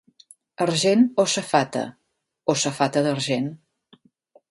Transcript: Argent o safata, o safata d'argent.